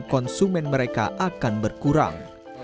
konsumen mereka akan berkurang